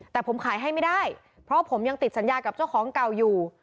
แต่ผมขายให้ไม่ได้เพราะผมยังติดสัญญากับเจ้าของเก่าอยู่